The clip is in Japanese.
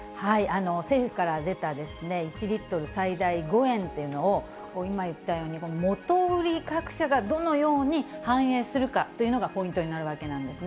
政府から出た、１リットル最大５円っていうのを、今言ったように、元売り各社がどのように反映するかというのがポイントになるわけなんですね。